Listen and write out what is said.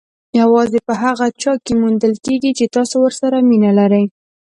یوازې په هغه چا کې موندل کېږي چې تاسو ورسره مینه لرئ.